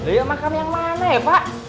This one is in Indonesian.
iya makam yang mana ya pak